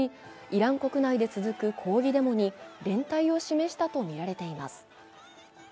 イラン国内で続く抗議デモに連帯を示したとみられています。